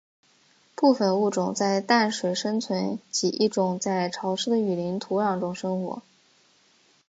部分物种在淡水生存及一种在潮湿的雨林土壤中生活。